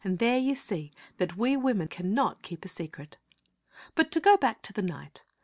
There you see that we women cannot keep a secret. But to go back to the knight.